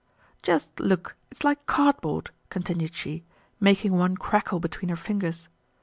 "Just look, it's like cardboard," continued she, making one crackle between her fingers.